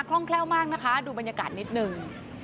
ร่องแคล่วมากนะคะดูบรรยากาศนิดนึง